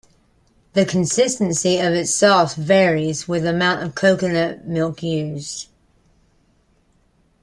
The consistency of its sauce varies with the amount of coconut milk used.